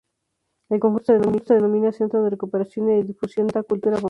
El conjunto se denomina "Centro de Recuperación e Difusión da Cultura Popular".